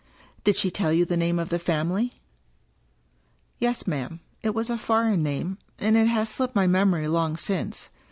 " Did she tell you the name of the family? "" Yes, ma'am. It was a foreign name, and it has slipped my memory long since.